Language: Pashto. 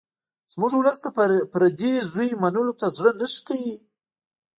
زموږ ولس د پردي زوی منلو ته زړه نه ښه کوي